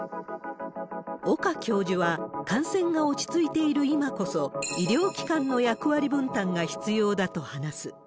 岡教授は感染が落ち着いている今こそ、医療機関の役割分担が必要だと話す。